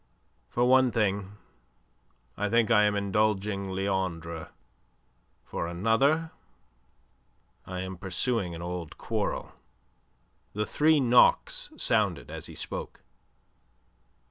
"For one thing I think I am indulging Leandre; for another I am pursuing an old quarrel." The three knocks sounded as he spoke.